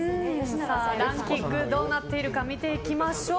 ランキングどうなっているか見ていきましょう。